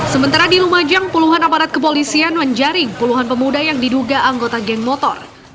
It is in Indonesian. sementara di lumajang puluhan aparat kepolisian menjaring puluhan pemuda yang diduga anggota geng motor